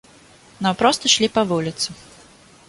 Наўпрост ішлі па вуліцы.